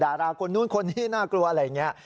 ดาราคนนู้นคนนี้น่ากลัวอะไรอย่างนี้